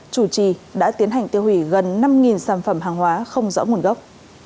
chủ trì đã tiến hành tiêu hủy gần năm sản phẩm hàng hóa không rõ nguồn gốc